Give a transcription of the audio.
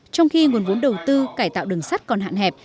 trong khi nguồn vốn đầu tư cải tạo đường sắt còn hạn hẹp